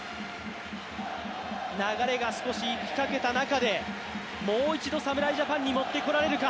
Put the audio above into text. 流れが少し来かけた中でもう一度侍ジャパンに持ってこられるか。